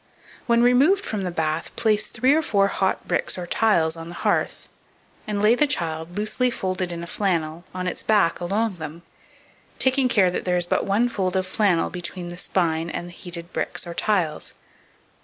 When removed from the bath, place three or four hot bricks or tiles on the hearth, and lay the child, loosely folded in a flannel, on its back along them, taking care that there is but one fold of flannel between the spine and heated bricks or tiles.